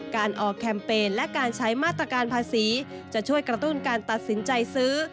การออกแคมเปญและการใช้มาตรการภาษีจะช่วยกระตุ้นการตัดสินใจซื้อ